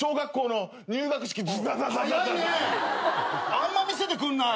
あんま見せてくんない。